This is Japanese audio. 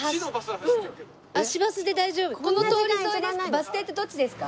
バス停ってどっちですか？